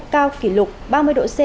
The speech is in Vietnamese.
cao phỉ lục ba mươi độ c